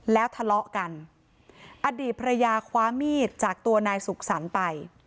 แล้วทะเลาะกันอดีตภรรยาคว้ามีดจากตัวนายสุขสรรค์ไป